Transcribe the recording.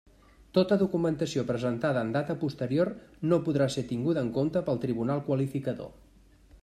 Tota documentació presentada en data posterior no podrà ser tinguda en compte pel Tribunal Qualificador.